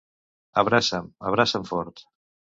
Abraça'm, abraça'm fort.